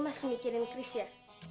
lo masih mikirin kris ya